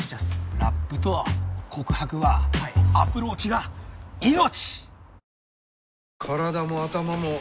ラップと告白はアプローチが命！